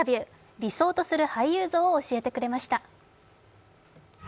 理想とする俳優像を教えてくれました。